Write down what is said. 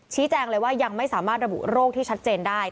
แจ้งเลยว่ายังไม่สามารถระบุโรคที่ชัดเจนได้